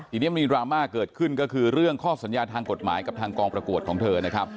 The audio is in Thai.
ทีนี้มีดราม่าเกิดขึ้นก็คือเรื่องข้อสัญญาทางกฎหมายกับทางกองประกวดของเธอนะครับ